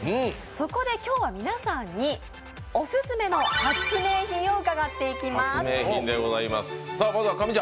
そこで今日は皆さんにオススメの発明品を伺っていきます。